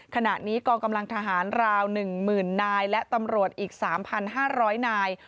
ขณะนี้กองกำลังทหารราว๑๐๐๐นายและตำรวจอีก๓๕๐๐นาย